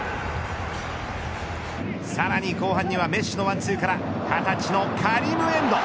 さらに後半にはメッシのワンツーから２０歳のカリムエンド。